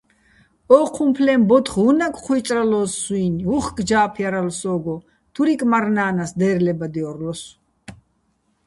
ო́ჴუმფლეჼ ბოთხ უ̂ნაკ ჴუ́ჲწრალოს სუჲნი̆, უ̂ხკ ჯა́ფ ჲარალო̆ სო́გო, თურიკ მარნა́ნას დაჲრლებადჲო́რლოსო̆.